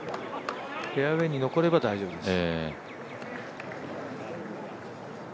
フェアウエーに残れば大丈夫です。